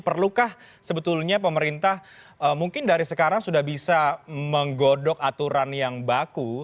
perlukah sebetulnya pemerintah mungkin dari sekarang sudah bisa menggodok aturan yang baku